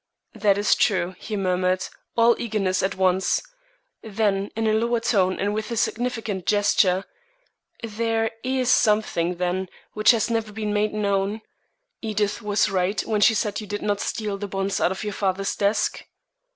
"That is true," he murmured, all eagerness at once. Then in a lower tone and with a significant gesture: "There is something, then, which has never been made known? Edith was right when she said you did not steal the bonds out of your father's desk?"